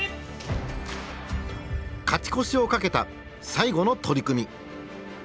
勝ち越しをかけた最後の取組。